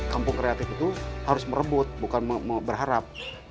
kampung kreatif itu harus merebut bukan berharap